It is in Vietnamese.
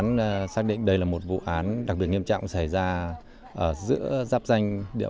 thì các trinh sát nhận được bộ hai cốt để để giúp s row